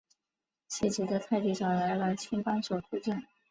气急的泰迪找来了新帮手助阵。